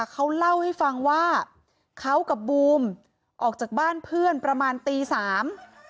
เขาเล่าให้ฟังว่าเขากับบูมออกจากบ้านเพื่อนประมาณตีสาม